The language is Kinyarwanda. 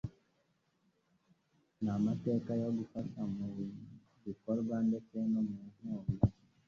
n'amateka yo gufasha mu bikorwa ndetse mu nkunga